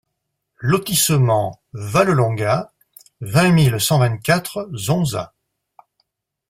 Lotissement Valle Longa, vingt mille cent vingt-quatre Zonza